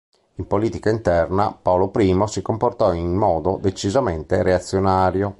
In politica interna Paolo I si comportò in modo decisamente reazionario.